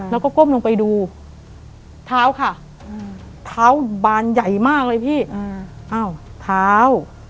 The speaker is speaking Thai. แล้วก็ก้มลงไปดูค่ะอืมท้าวบานใหญ่มากเลยพี่อืมอ้าวท้าว